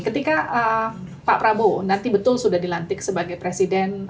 ketika pak prabowo nanti betul sudah dilantik sebagai presiden